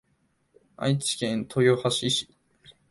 愛知県豊橋市